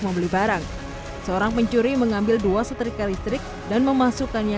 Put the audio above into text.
membeli barang seorang pencuri mengambil dua setrika listrik dan memasukkannya